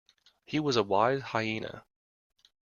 He was a wise hyena.